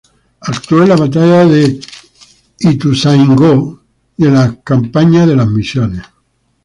Actuó en la batalla de Ituzaingó y en la campaña de las Misiones.